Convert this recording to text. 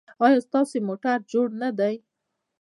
ایا ستاسو موټر جوړ نه دی؟